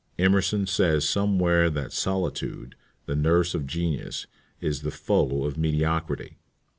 Emerson says somewhere that "Solitude, the nurse of Genius, is the foe of mediocrity."